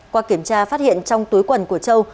qua kiểm tra phát hiện trong túi quần của châu